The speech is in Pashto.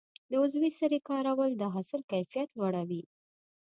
د عضوي سرې کارول د حاصل کیفیت لوړوي.